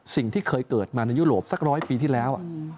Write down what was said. สิ่งที่เคยเกิดมาในยุโรปสักร้อยปีที่แล้ว